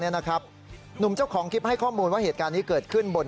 หนุ่มเจ้าของคลิปให้ข้อมูลว่าเหตุการณ์นี้เกิดขึ้นบน